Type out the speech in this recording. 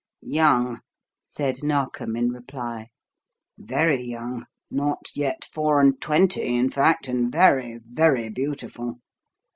"Young," said Narkom in reply. "Very young, not yet four and twenty, in fact, and very, very beautiful.